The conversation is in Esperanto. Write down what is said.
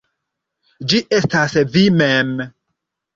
Ĝi estas vi mem.